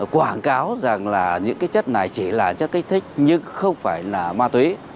quảng cáo rằng là những cái chất này chỉ là chất kích thích nhưng không phải là ma túy